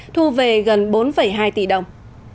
thu về gần bốn hai tỷ đồng